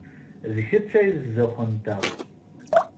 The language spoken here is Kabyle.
D kečč ay d zzux-nteɣ.